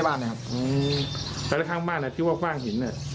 พอตำรวจขอตรวจปัสสาวะรีบปฏิเสธเสียงออยทันทีบอกคุณตำรวจผมทำไม